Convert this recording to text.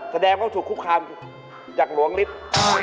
แสดงว่าถูกคุกคามจากหลวงฤทธิ์